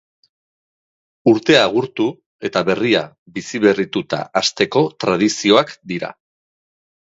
Urtea agurtu eta berria biziberrituta hasteko tradizioak dira.